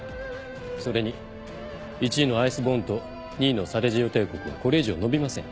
それに１位のＩＣＥＢＯＲＮと２位のサレジオ帝国はこれ以上伸びません。